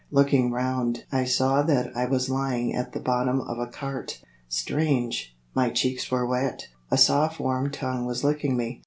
Looking round I saw that I was lying at the bottom of a cart. Strange! My cheeks were wet. A soft warm tongue was licking me.